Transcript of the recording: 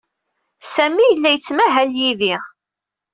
Sami yella yettmahal yid-i.